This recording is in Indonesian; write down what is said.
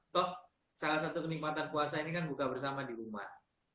toh salah satu kenikmatan puasa ini kan buka bersama di rumah